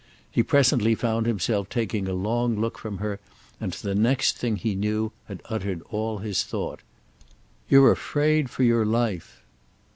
He presently found himself taking a long look from her, and the next thing he knew he had uttered all his thought. "You're afraid for your life!"